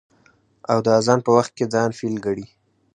او د اذان په وخت کې ځان فيل گڼي.